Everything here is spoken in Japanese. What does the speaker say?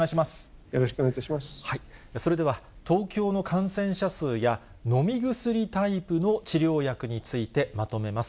それでは東京の感染者数や、飲み薬タイプの治療薬についてまとめます。